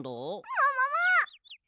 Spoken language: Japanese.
もももっ！